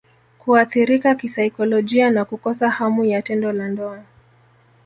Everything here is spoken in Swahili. Kuathirika kisaikolojia na Kukosa hamu ya tendo la ndoa